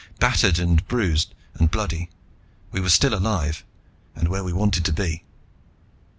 Battered, and bruised, and bloody, we were still alive, and where we wanted to be.